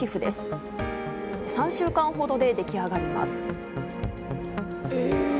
３週間ほどで出来上がります。